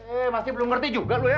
eh masih belum ngerti juga loh ya